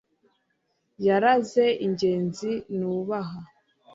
yaraze ingenzi nubaha